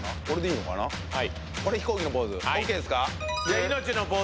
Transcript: これでいいのかな。